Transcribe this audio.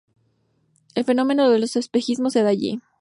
El fenómeno de los espejismos se da allí.